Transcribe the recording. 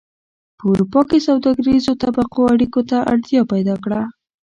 په اروپا کې سوداګریزو طبقو اړیکو ته اړتیا پیدا کړه